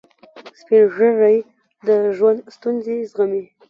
سپین ږیری د ژوند ستونزې زغمي